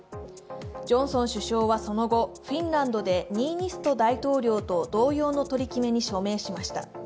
ジョンソン首相はその後フィンランドでニーニスト大統領と同様の取り決めに署名しました。